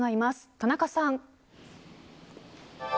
田中さん。